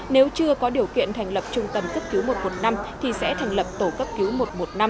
nếu chưa có điều kiện thành lập trung tâm cấp cứu một một năm thì sẽ thành lập tổ cấp cứu một một năm